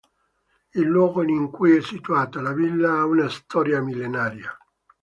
Il luogo in cui è situata la villa ha una storia millenaria.